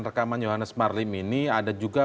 rekaman johannes marlim ini ada juga